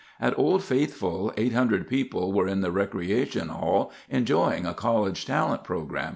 At Old Faithful, 800 people were in the recreation hall enjoying a college talent program.